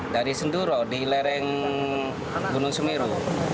dari senduro di lereng gunung semeru